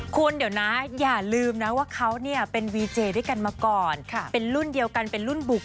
คือวุ้นต้องบอกว่าวุ้นมีเพื่อนผู้